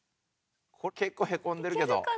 結構へこんでるけど。